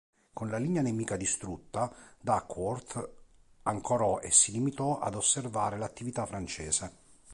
Con la linea nemica distrutta, Duckworth ancorò e si limitò ad osservare l'attività francese.